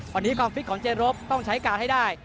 วันนี้ความฟิตของเจรบต้องใช้การให้ได้